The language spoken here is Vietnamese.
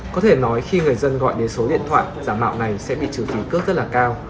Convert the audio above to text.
có thể nói khi người dân gọi đến số điện thoại giả mạo này sẽ bị trừ phí cước rất là cao